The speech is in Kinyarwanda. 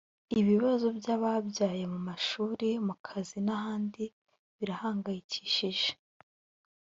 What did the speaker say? ibibazo by’ababyaye mu mashuri mu kazi n’ahandi birahangayikishije